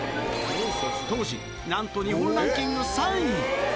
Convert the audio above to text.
当時、なんと日本ランキング３位。